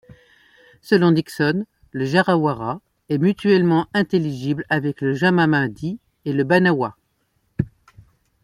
Selon Dixon, le jarawara est mutuellement intelligible avec le jamamadí et le banawá.